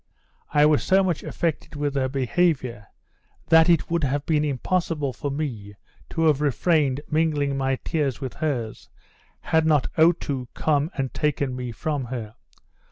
I was so much affected with her behaviour, that it would have been impossible for me to have refrained mingling my tears with hers, had not Otoo come and taken me from her.